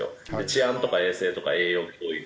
治安とか衛生とか栄養教育